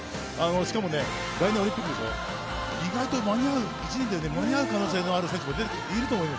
しかも来年オリンピックでしょ意外と１年で間に合う可能性がある選手も出てくると思います。